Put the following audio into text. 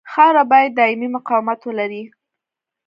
خاوره باید دایمي مقاومت ولري